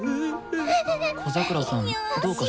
小桜さんどうかした？